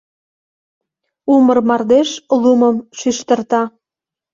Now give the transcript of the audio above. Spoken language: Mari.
Умыр мардеж лумым шӱштырта.